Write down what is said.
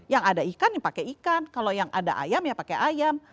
yang ada ikan yang pakai ikan kalau yang ada ayam ya pakai ayam